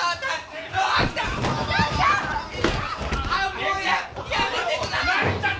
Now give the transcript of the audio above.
もうやめてください！